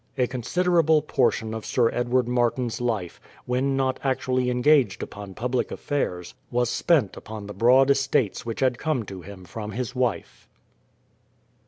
A considerable portion of Sir Edward Martin's life, when not actually engaged upon public affairs, was spent upon the broad estates which had come to him from his wife.